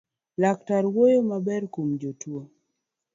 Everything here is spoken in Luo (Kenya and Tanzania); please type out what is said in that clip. Laktar wuoyo maber kuom jatuo